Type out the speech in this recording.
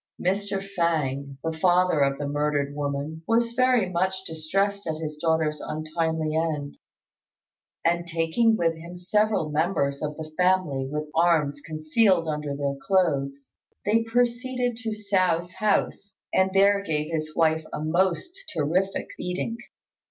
Mr. Fêng, the father of the murdered woman, was very much distressed at his daughter's untimely end; and, taking with him several members of the family with arms concealed under their clothes, they proceeded to Hsiao's house, and there gave his wife a most terrific beating.